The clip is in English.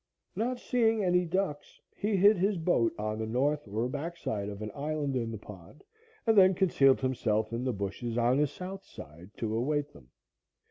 Not seeing any ducks, he hid his boat on the north or back side of an island in the pond, and then concealed himself in the bushes on the south side, to await them.